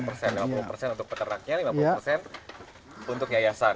rp lima puluh untuk peternaknya rp lima puluh untuk yayasan